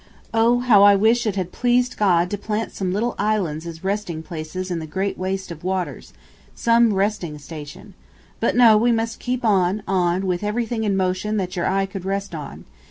... Oh how I wished it had pleased God to plant some little islands as resting places in the great waste of waters, some resting station. But no, we must keep on, on, with everything in motion that your eye could rest on.